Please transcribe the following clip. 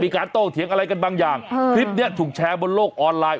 โต้เถียงอะไรกันบางอย่างคลิปนี้ถูกแชร์บนโลกออนไลน์